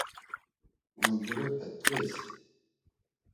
Ğvandurepe t̆ǩveysi?